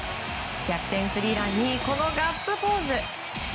逆転スリーランにこのガッツポーズ。